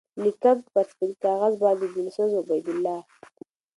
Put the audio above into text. لیکم پر سپین کاغذ باندی دلسوز عبیدالله